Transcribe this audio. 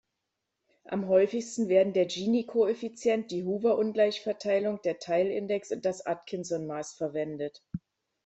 Am häufigsten werden der Gini-Koeffizient, die Hoover-Ungleichverteilung, der Theil-Index und das Atkinson-Maß verwendet.